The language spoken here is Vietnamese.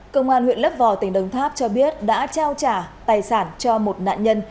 công an huyện lấp vò tỉnh đồng tháp cho biết đã trao trả tài sản cho một nạn nhân